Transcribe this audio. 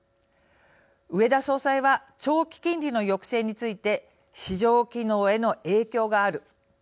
植田総裁は長期金利の抑制について「市場機能への影響がある」